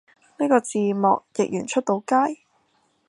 呢個字幕譯完出到街？